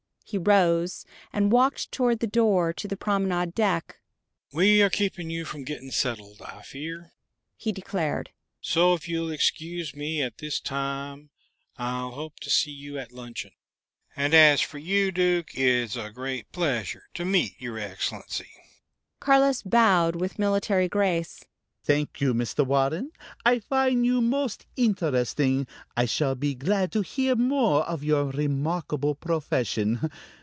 He rose, and walked toward the door to the promenade deck. "We are keeping you from getting settled, I fear," he declared. "So, if you'll excuse me at this time, I'll hope to see you at luncheon.... And as for you, Duke, it's a great pleasure to meet your Excellency." Carlos bowed with military grace. "Thank you, Mr. Warren. I find you most interesting. I shall be glad to hear more of your remarkable profession.